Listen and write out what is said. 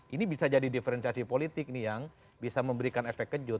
ini bisa jadi diferensiasi politik nih yang bisa memberikan efek kejut